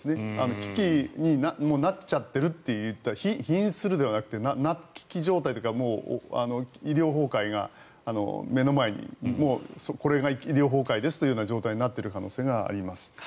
危機になっちゃってるという瀕するではなくて危機状態というかもう医療崩壊が目の前にもうこれが医療崩壊ですという状態になっている可能性があります。